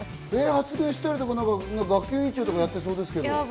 発言したり、学級委員長とかやってそうですけど。